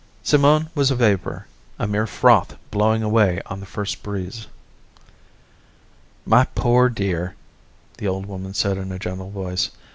Simone was a vapor, a mere froth blowing away on the first breeze. "My poor dear," the old woman said in a gentle voice.